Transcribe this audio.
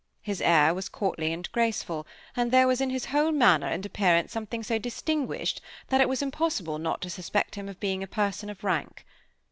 His air was courtly and graceful, and there was in his whole manner and appearance something so distinguished that it was impossible not to suspect him of being a person of rank.